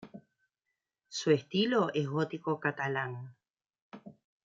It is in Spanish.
Su estilo es gótico catalán.